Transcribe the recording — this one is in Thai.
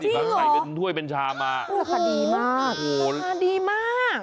จริงหรอใส่เป็นถ้วยเป็นชามาราคาดีมากโอ้โหราคาดีมาก